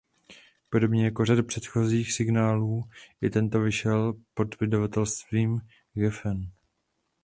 Podobně jako řada předchozích singlů i tento vyšel pod vydavatelstvím Geffen.